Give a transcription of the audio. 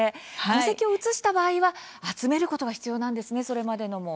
戸籍を移した場合は集めることが必要なんですね、それまでのも。